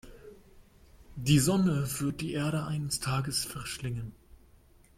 Die Sonne wird die Erde eines Tages verschlingen.